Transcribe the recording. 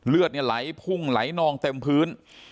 เลือดเนี่ยไหลพุ่งไหลนองเต็มพื้น